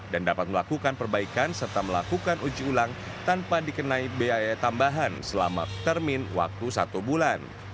dan dapat melakukan perbaikan serta melakukan uji ulang tanpa dikenai biaya tambahan selama termin waktu satu bulan